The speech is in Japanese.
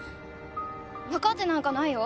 分かってなんかないよ。